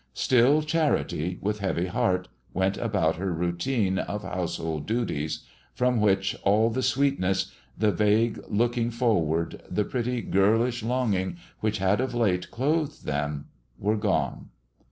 Still Charity, with heavy heart, went about her routine of household duties, from which all the sweetness, the vague looking forward, the pretty, girlish longing which had of late clothed them were gone.